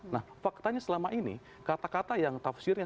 nah faktanya selama ini kata kata yang tafsirnya